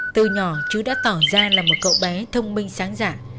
từ nhỏ chú đã tỏ ra là một cậu bé thông minh sáng giản